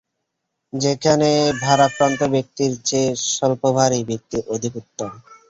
সেখানে ভারাক্রান্ত ব্যক্তির চেয়ে স্বল্পভারী ব্যক্তি অধিক উত্তম।